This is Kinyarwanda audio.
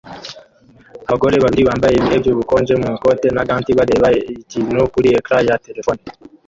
Abagore babiri bambaye ibihe by'ubukonje mu ikoti na gants bareba ikintu kuri ecran ya terefone